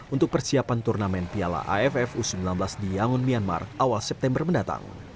untuk persiapan turnamen piala aff u sembilan belas di yangon myanmar awal september mendatang